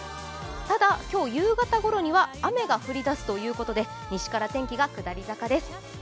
ただ今日夕方ごろには雨が降りだすということで西から天気が下り坂です。